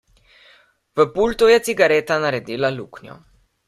V pultu je cigareta naredila luknjo.